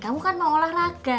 kamu kan mau olahraga